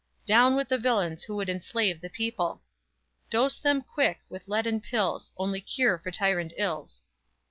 Down with the villains who would enslave the people! _Dose them, quick, with leaden pills Only cure for tyrant ills!